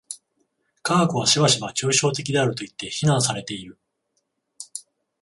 科学はしばしば抽象的であるといって非難されている。